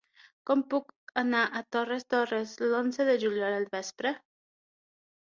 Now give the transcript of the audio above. Com puc anar a Torres Torres l'onze de juliol al vespre?